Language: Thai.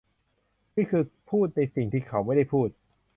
นี่คือพูดในสิ่งที่เขาไม่ได้พูด